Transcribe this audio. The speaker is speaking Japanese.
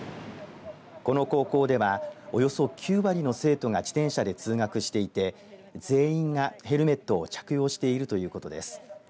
この高校ではおよそ９割の生徒が自転車で通学していて全員がヘルメットを着用しているということです。